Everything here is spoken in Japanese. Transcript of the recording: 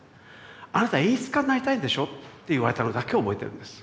あなた演出家になりたいんでしょ？」って言われたのだけ覚えてるんです。